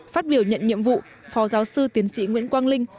phát biểu nhận nhiệm vụ phó giáo sư tiến sĩ nguyễn quang linh